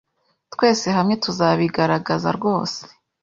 Twese hamwe tuzabigaragaza rwose,